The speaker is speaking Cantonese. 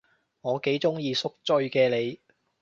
我幾鍾意宿醉嘅你